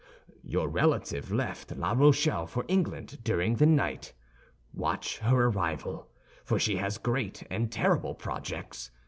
Your relative left La Rochelle for England during the night. Watch her arrival, for she has great and terrible projects.